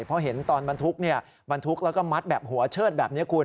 เพราะเห็นตอนบรรทุกบรรทุกแล้วก็มัดแบบหัวเชิดแบบนี้คุณ